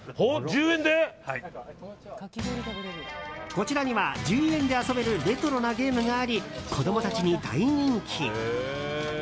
こちらには１０円で遊べるレトロなゲームがあり子供たちに大人気。